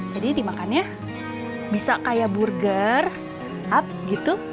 jadi dimakannya bisa kayak burger ap gitu